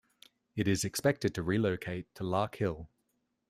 It is expected to relocate to Larkhill.